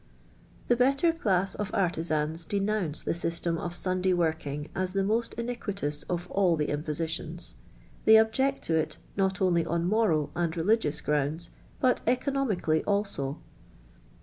The better class of artiz nns denounce the system of Sunday working as the nmat iniquitous of all : the impositions. They object to it. not only on moral and religious grounds, but economically also.